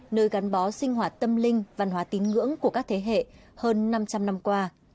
nơi gắn bó sinh hoạt tâm linh văn hóa tín ngưỡng của các thế hệ hơn năm trăm linh năm qua